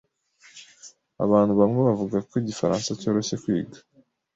Abantu bamwe bavuga ko igifaransa cyoroshye kwiga.